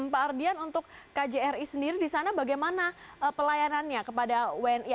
pak ardian untuk kjri sendiri di sana bagaimana pelayanannya kepada wni